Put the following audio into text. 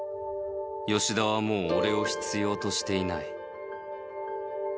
吉田はもう俺を必要としていない。